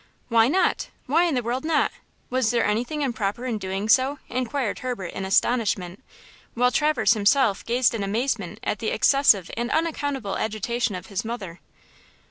"Why not? Why in the world not? Was there anything improper in doing so?" inquired Herbert in astonishment, while Traverse himself gazed in amazement at the excessive and unaccountable agitation of his mother.